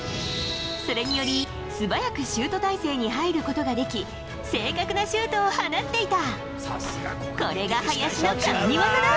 それにより素早くシュート体勢に入ることができ正確なシュートを放っていた。